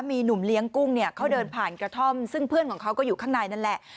มีหนุ่มเลี้ยงกุ้งเนี่ยเขาเดินผ่านกระท่อมซึ่งเพื่อนของเขาก็อยู่ข้างในนั่นแหละ